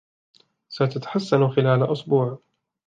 ستتحسن خلال أسبوع.